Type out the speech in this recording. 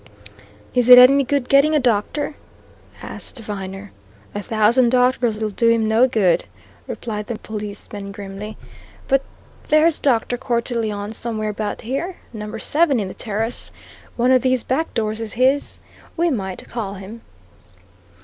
"Is it any good getting a doctor?" asked Viner. "A thousand doctors'll do him no good," replied the policeman grimly. "But there's Dr. Cortelyon somewhere about here number seven in the terrace. One of these back doors is his. We might call him."